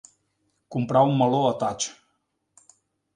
Comprar un meló a tatx.